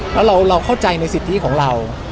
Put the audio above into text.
แล้วเราเข้าใจในสิทธิของเรา